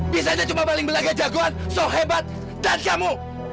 bisanya cuma baling belaga jagoan soh hebat dan kamu